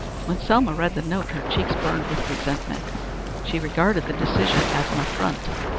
When Selma read the note her cheeks burned with resentment. She regarded the decision as an affront.